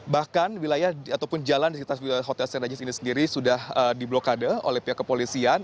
bahkan wilayah ataupun jalan di sekitar hotel st regis ini sendiri sudah diblokade oleh pihak kepolisian